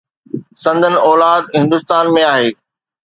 سندن اولاد هندستان ۾ آهي.